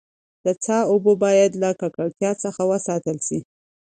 د څاه اوبه باید له ککړتیا څخه وساتل سي.